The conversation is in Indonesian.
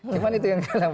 cuma itu yang kita lakukan